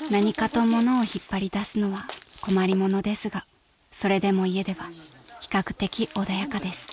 ［何かと物を引っ張り出すのは困りものですがそれでも家では比較的穏やかです］